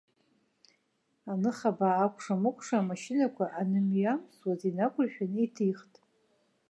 Аныхабаа акәша-мыкәша амашьынақәа анымҩамсуаз инақәыршәаны иҭихт.